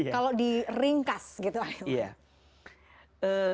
kalau di ringkas gitu ahilman